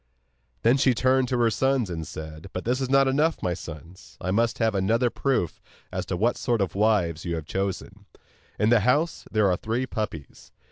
Then she turned to her sons and said: 'But this is not enough, my sons, I must have another proof as to what sort of wives you have chosen. In the house there are three puppies.